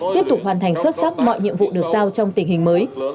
tiếp tục hoàn thành xuất sắc mọi nhiệm vụ được giao trong tình hình mới